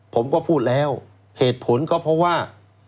ผมก็พูดแล้วเหตุผลก็เพราะว่า